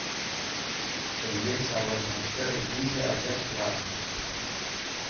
Ҫемье ҫавӑрнӑскер виҫӗ ача ҫуратнӑ.